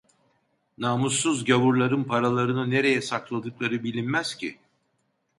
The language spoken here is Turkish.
Namussuz gavurların paralarını nereye sakladıkları bilinmez ki…